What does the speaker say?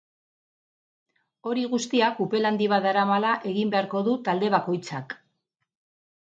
Hori guztia kupel handi bat daramala egin beharko du talde bakoitzak.